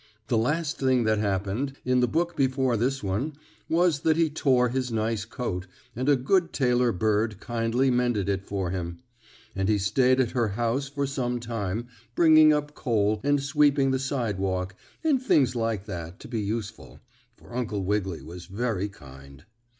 The last thing that happened, in the book before this one, was that he tore his nice coat, and a good tailor bird kindly mended it for him. And he stayed at her house for some time, bringing up coal, and sweeping the sidewalk, and things like that to be useful; for Uncle Wiggily was very kind.